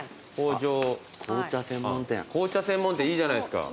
紅茶専門店いいじゃないですか。